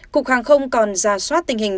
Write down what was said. cục hàng không còn ra soát tình hình